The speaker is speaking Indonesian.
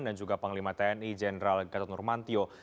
dan juga panglima tni jenderal gatot nurmantio